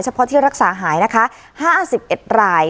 เพาะที่รักษาหายนะคะ๕๑ราย